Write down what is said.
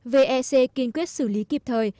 vec kiên quyết xử lý kịp thời